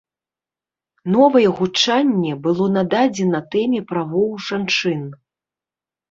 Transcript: Новае гучанне было нададзена тэме правоў жанчын.